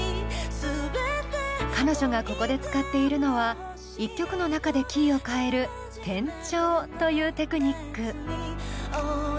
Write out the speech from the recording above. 彼女がここで使っているのは１曲の中でキーを変える転調というテクニック。